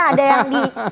ada yang di